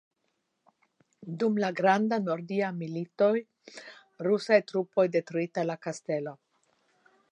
Dum la Granda Nordia Milito rusaj trupoj detruita la kastelo.